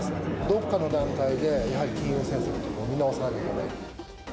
どこかの段階で、やはり金融政策を見直さなきゃいけない。